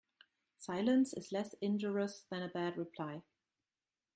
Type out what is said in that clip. Silence is less injurious than a bad reply.